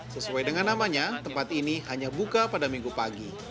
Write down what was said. sesuai dengan namanya tempat ini hanya buka pada minggu pagi